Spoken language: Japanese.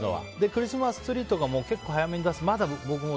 クリスマスツリーとかも結構早めに出す。